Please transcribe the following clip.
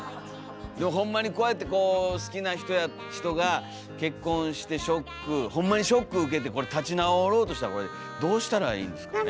でもホンマにこうやってこう好きな人が結婚してショックホンマにショック受けてこれ立ち直ろうとしたらこれどうしたらいいんですかね。